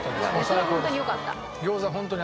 それはホントによかった。